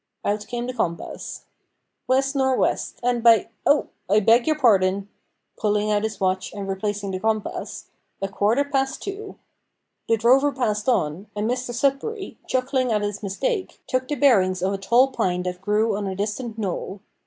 Out came the compass. "West nor' west, and by Oh! I beg your pardon," (pulling out his watch and replacing the compass), "a quarter past two." The drover passed on, and Mr Sudberry, chuckling at his mistake, took the bearings of a tall pine that grew on a distant knoll.